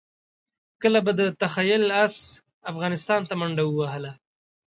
کله به د تخیل اس افغانستان ته منډه ووهله.